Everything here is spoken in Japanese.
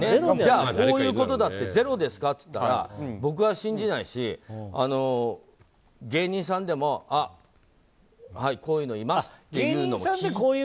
こういうことだってゼロですからって言われたら僕は信じないし芸人さんでもこういうのいますっていうのも聞くし。